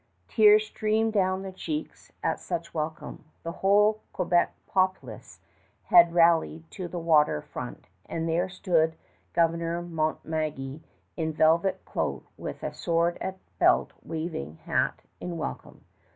Tears streamed down their cheeks at such welcome. The whole Quebec populace had rallied to the water front, and there stood Governor Montmagny in velvet cloak with sword at belt waving hat in welcome.